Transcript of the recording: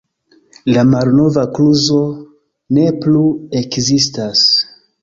La malnova kluzo ne plu ekzistas.